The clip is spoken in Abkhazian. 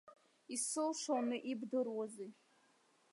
Исылшоны ибдыруазеи?